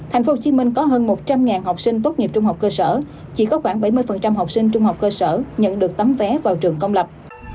tp hcm có hơn một trăm linh học sinh tốt nghiệp trung học cơ sở chỉ có khoảng bảy mươi học sinh trung học cơ sở nhận được tấm vé vào trường công lập